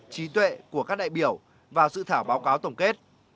trí tuệ của các đại biểu vào dự thảo báo cáo tổng kết